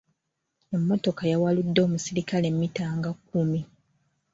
Emmotoka yawaludde omusirikale mmita nga kkumi.